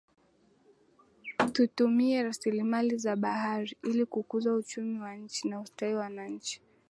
Tutumie rasilimali za bahari ili kukuza uchumi wa nchi na ustawi wa wananchi